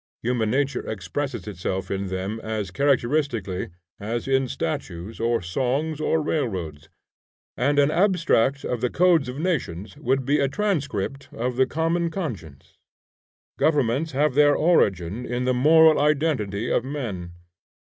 Human nature expresses itself in them as characteristically as in statues, or songs, or railroads; and an abstract of the codes of nations would be a transcript of the common conscience. Governments have their origin in the moral identity of men.